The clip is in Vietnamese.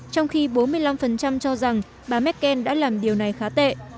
trong khi bốn mươi năm cho rằng bà merkel đã làm điều này khá tệ